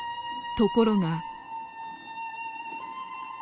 ところが。